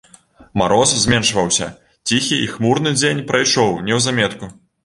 Мароз зменшваўся, ціхі і хмурны дзень прайшоў неўзаметку.